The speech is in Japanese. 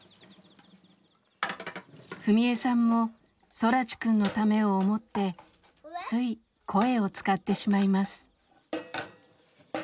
史恵さんも空知くんのためを思ってつい声を使ってしまいます。